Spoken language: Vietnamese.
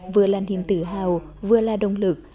vừa là niềm tự hào vừa là động lực